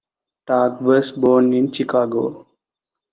Targ was born in Chicago.